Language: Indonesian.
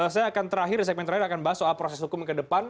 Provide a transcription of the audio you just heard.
saya akan terakhir di segmen terakhir akan bahas soal proses hukum ke depan